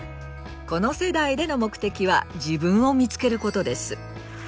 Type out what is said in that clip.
この世代での目的は“自分を見つける”ことです。